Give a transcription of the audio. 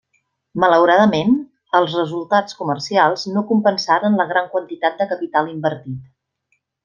Malauradament, els resultats comercials no compensaren la gran quantitat de capital invertit.